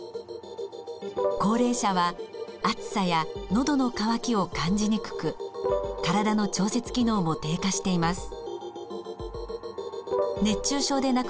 高齢者は暑さやのどの渇きを感じにくく体の調節機能も低下しています。